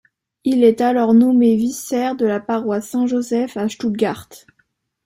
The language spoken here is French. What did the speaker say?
Il est alors nommé vicaire de la paroisse Saint-Joseph à Stuttgart.